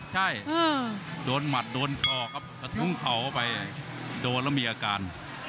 ใช่โดนหมัดโดนคอครับกระทุ้งเข่าไปโดนแล้วมีอาการ